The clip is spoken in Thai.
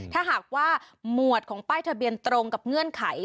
ถ้าหากว่าหมวดของป้ายทะเบียนตรงกับเงื่อนไข